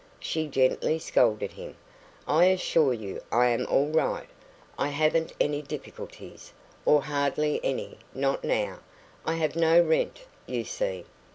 she gently scolded him. "I assure you I am all right. I haven't any difficulties or hardly any not now. I have no rent, you see."